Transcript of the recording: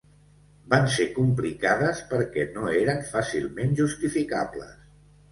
Van ser complicades perquè no eren fàcilment justificables.